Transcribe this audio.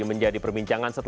masih namanya seventeen earth